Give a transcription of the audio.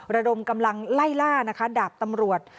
ระดมกำลังไล่ล่านะคะดาบตำรวจ